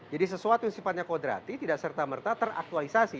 jadi sesuatu yang sifatnya kodrati tidak serta merta teraktualisasi